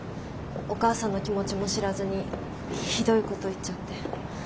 お母さんの気持ちも知らずにひどいこと言っちゃって。